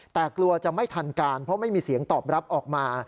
แต่กลัวจะไม่ทันการเพราะไม่มีเสียงตอบรับออกมา